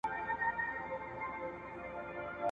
په سوونو کاله مخکي د دې خيالونو